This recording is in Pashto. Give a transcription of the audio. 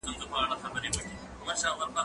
زه اوس د تکړښت لپاره ځم